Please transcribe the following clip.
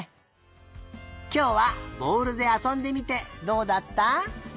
きょうはぼおるであそんでみてどうだった？